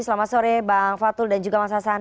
selamat sore bang fatul dan juga mas hasan